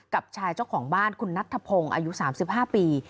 กับชายเจ้าของบ้านคุณนัทธพงศ์อายุ๓๕ปี